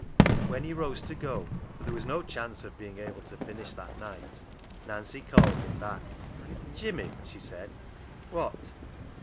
When he rose to go, for there was no chance of being able to finish that night, Nancy called him back. " Jimmy," she said. "Wot?"